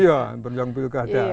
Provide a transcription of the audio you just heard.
iya penjelang pilkada